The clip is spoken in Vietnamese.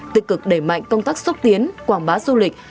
tích cực đẩy mạnh công tác xuất tiến quảng bá du lịch